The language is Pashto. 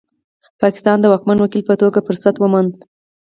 پاکستان د واکمن وکیل په توګه فرصت وموند.